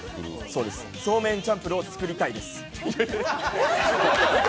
そうです、そうめんチャンプルを作りたいです！